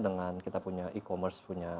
dengan kita punya e commerce punya